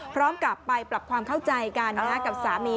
พร้อมกับไปปรับความเข้าใจกันกับสามี